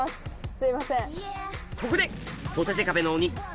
すいません。